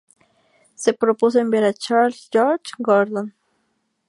Se propuso enviar a Charles George Gordon.